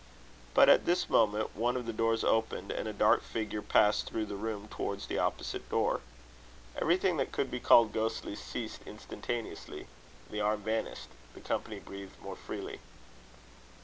But at this moment, one of the doors opened, and a dark figure passed through the room towards the opposite door. Everything that could be called ghostly, ceased instantaneously. The arm vanished. The company breathed more freely.